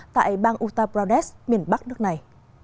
tại bang uttar pradesh miền bắc nước này